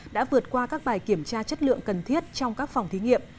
đã vượt qua các bài kiểm tra chất lượng cần thiết trong các phòng thí nghiệm